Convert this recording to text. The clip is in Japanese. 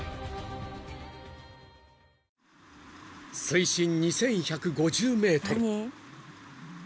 ［水深２，１５０ｍ］